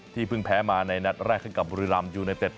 ที่พึ่งแพ้มาในนัดแรกให้กับบุริลำตรงทางที่ซ้าย